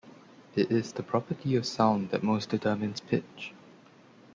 It is the property of sound that most determines pitch.